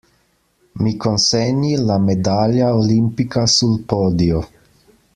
Mi consegni la medaglia Olimpica sul podio.